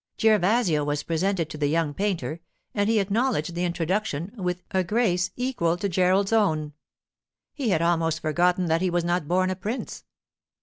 Gervasio was presented to the young painter, and he acknowledged the introduction with a grace equal to Gerald's own. He had almost forgotten that he was not born a prince.